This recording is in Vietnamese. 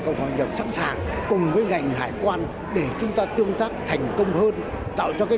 cộng hòa nhập sẵn sàng cùng với ngành hải quan để chúng ta tương tác thành công hơn tạo cho cái